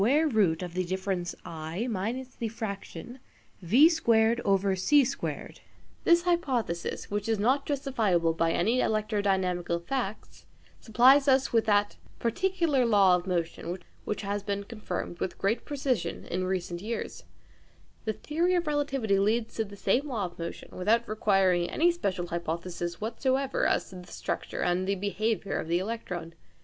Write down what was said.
05: file eq05.gif This, hypothesis, which is not justifiable by any electrodynamical facts, supplies us then with that particular law of motion which has been confirmed with great precision in recent years. The theory of relativity leads to the same law of motion, without requiring any special hypothesis whatsoever as to the structure and the behaviour of the electron.